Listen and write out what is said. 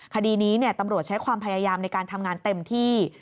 คดีนี้ตำรวจใช้ความพยายามในการทำงานเต็มที่